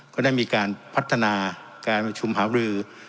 ก็ได้มีการพัฒนาการประชุมหาบรือ